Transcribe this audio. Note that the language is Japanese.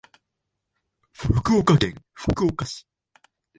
福岡県福岡市